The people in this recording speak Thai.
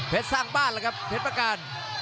เพชรสร้างบ้านแหละครับเพชรประการ